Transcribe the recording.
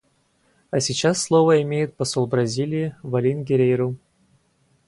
А сейчас слово имеет посол Бразилии Валлин Геррейру.